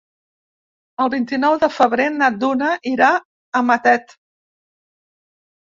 El vint-i-nou de febrer na Duna irà a Matet.